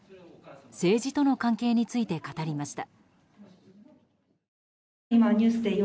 政治との関係について語りました。